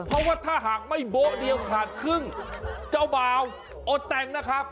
เพราะว่าถ้าหากไม่โบ๊ะเดียวขาดครึ่งเจ้าบ่าวอดแต่งนะครับ